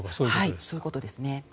そういうことですね。